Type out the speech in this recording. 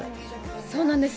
そうなんです。